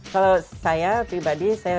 kalau saya pribadi